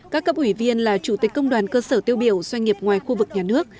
các cấp ủy viên là chủ tịch công đoàn cơ sở tiêu biểu doanh nghiệp ngoài khu vực nhà nước